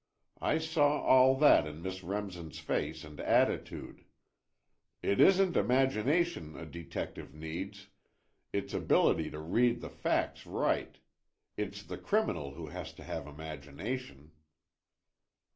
I saw all that in Miss Remsen's face and attitude. It isn't imagination a detective needs, it's ability to read the facts right. It's the criminal who has to have imagination."